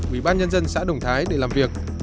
ủy ban nhân dân xã đồng thái để làm việc